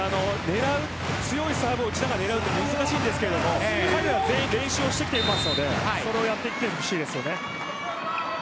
強いサーブを打ちながら狙うのは大変ですが彼らは全員練習をしているのでそれをやっていってほしいです。